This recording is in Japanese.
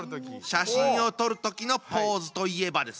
写真をとるときのポーズといえばですね。